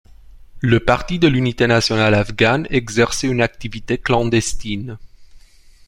Le parti de l’Unité nationale afghane exerçait une activité clandestine.